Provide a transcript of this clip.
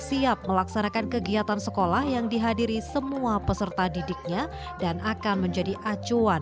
siap melaksanakan kegiatan sekolah yang dihadiri semua peserta didiknya dan akan menjadi acuan